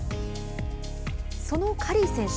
そのカリー選手